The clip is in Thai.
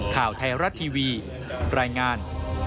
ข่าวไทยรัฐทีวีรายงาน